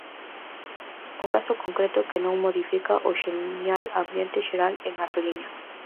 Un caso concreto que non modifica o xenial ambiente xeral en Arliña.